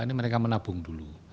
ini mereka menabung dulu